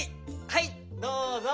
はいどうぞ。